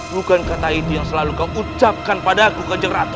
bukan kata itu yang selalu kau ucapkan pada aku kanjeng ratu